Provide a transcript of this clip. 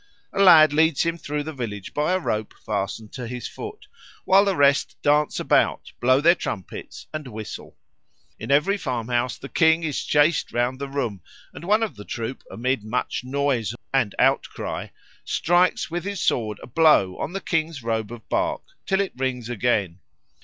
A lad leads him through the village by a rope fastened to his foot, while the rest dance about, blow their trumpets, and whistle. In every farmhouse the King is chased round the room, and one of the troop, amid much noise and outcry, strikes with his sword a blow on the King's robe of bark till it rings again.